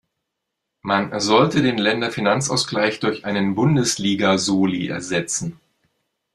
Man sollte den Länderfinanzausgleich durch einen Bundesliga-Soli ersetzen.